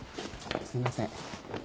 すいません。